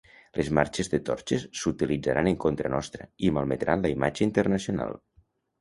Les marxes de torxes s’utilitzaran en contra nostra i malmetran l’imatge internacional.